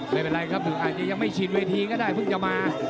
ไม่เป็นไรครับถึงอาจจะยังไม่ชินเวทีก็ได้เพิ่งจะมา